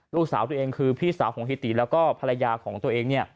ลูกสาวตัวเองคือพี่สาวของฮิติแล้วก็ภรรยาของตัวเอง